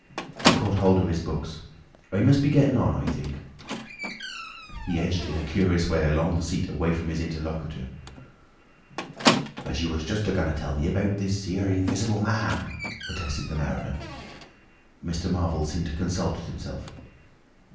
He caught hold of his books. "I must be getting on, I think," he said. He edged in a curious way along the seat away from his interlocutor. "But you was just a going to tell me about this here Invisible Man!" protested the mariner. Mr. Marvel seemed to consult with himself.